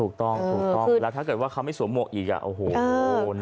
ถูกต้องถูกต้องแล้วถ้าเกิดว่าเขาไม่สวมหมวกอีกอ่ะโอ้โห